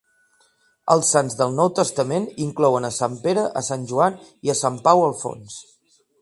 Els sants del Nou Testament inclouen a Sant Pere, a Sant Joan i Sant Pau al fons.